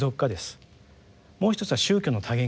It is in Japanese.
もう一つは宗教の「多元化」です。